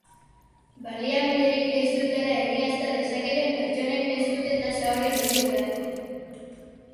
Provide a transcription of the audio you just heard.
Baliabiderik ez dutela egiazta dezaketen pertsonek ez dute tasa hori ordaindu beharko.